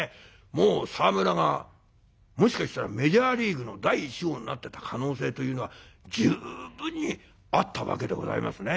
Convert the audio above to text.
もう沢村がもしかしたらメジャーリーグの第１号になってた可能性というのは十分にあったわけでございますね。